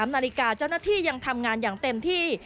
๓นาฬิกาเจ้าหน้าที่ยังทำงานอย่างเต็มที่